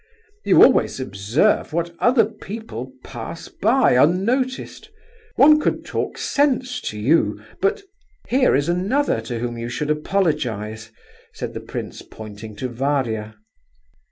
You always observe what other people pass by unnoticed; one could talk sense to you, but—" "Here is another to whom you should apologize," said the prince, pointing to Varia.